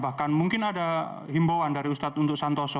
bahkan mungkin ada himbauan dari ustadz untuk santoso